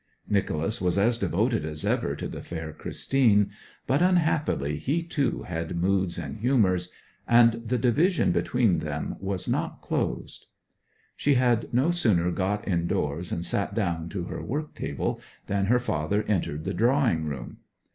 Nicholas was as devoted as ever to the fair Christine; but unhappily he too had moods and humours, and the division between them was not closed. She had no sooner got indoors and sat down to her work table than her father entered the drawing room.